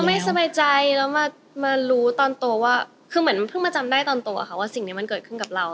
ไม่สบายใจแล้วมารู้ตอนตัวว่าคือเหมือนเพิ่งมาจำได้ตอนตัวค่ะว่าสิ่งนี้มันเกิดขึ้นกับเรา